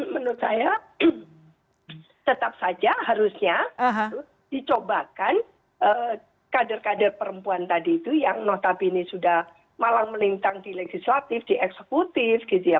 menurut saya tetap saja harusnya dicobakan kader kader perempuan tadi itu yang notabene sudah malang melintang di legislatif di eksekutif gitu ya